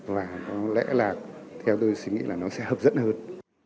và có lẽ là theo tôi suy nghĩ là nó sẽ hợp dẫn hơn